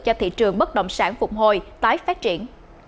cho thị trường bất động sản phục hồi tái phát triển